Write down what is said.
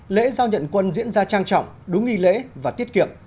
lễ giao nhận quân diễn ra trang trọng đúng nghi lễ và tiết kiệm